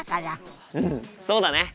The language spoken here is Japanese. うんそうだね！